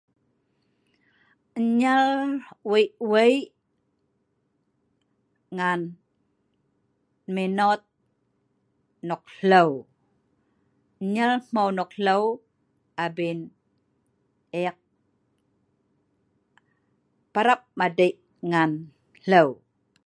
Nyeel wei-wei ngan menot nok hleu. Nyeel hmeu nok hleu abien eek parap madei ngan hleu